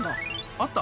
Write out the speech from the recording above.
あった？